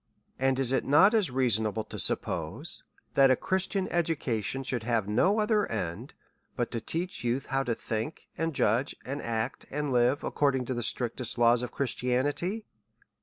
And is it not as reasonable to suppose, that a Chris tian education should have no other end, but to teach youth how to think, and judge, and act, and live ac cording to the strictest laws of Christianity